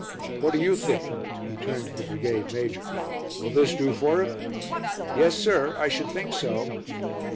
"What do you think?" he turned to the Brigade Major. "Will this do for him?" "Yes, sir, I should think so."